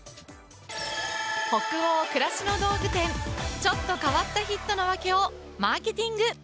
「北欧、暮らしの道具店」、ちょっと変わったヒットのわけをマーケティング。